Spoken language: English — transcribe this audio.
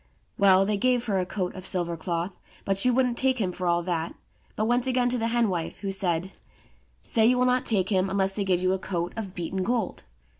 Well, they gave her a coat of silver cloth, but she wouldn't take him for all that, but went again to the hen wife, who said, "Say you will not take him unless they give you a coat of beaten gold."